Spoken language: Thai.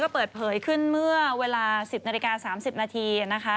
เปิดเผยขึ้นเมื่อเวลา๑๐นาฬิกา๓๐นาทีนะคะ